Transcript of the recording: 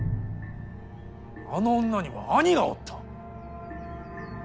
あの女には兄がおった。